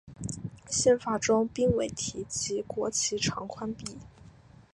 宪法中并未提及国旗长宽比。